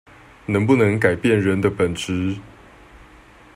能不能改變人的本質